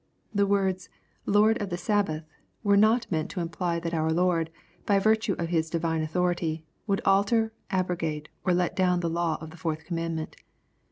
— The words " Lord of the Sabbath," were not meant to imply that our Lord, by virtue of His divine authority, would alter, abrogate, or let down the law of the fourth commandment.